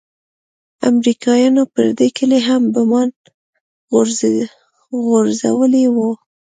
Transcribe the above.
امريکايانو پر دې کلي هم بمان غورځولي وو.